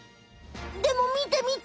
でもみてみて！